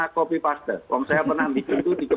maka sebaiknya menggunakan media sosial